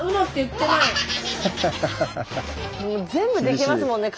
全部できますもんね